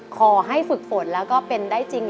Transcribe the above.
ขอให้ฝึกฝนแล้วก็เป็นได้จริง